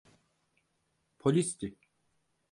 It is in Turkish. Polisti.